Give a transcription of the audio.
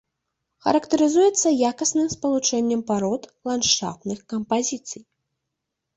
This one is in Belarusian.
Характарызуецца якасным спалучэннем парод ландшафтных кампазіцый.